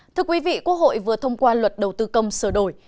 thưa quý vị quốc hội vừa thông qua luật đầu tư công sửa đổi